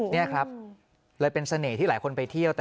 นี่ครับเลยเป็นเสน่ห์ที่หลายคนไปเที่ยว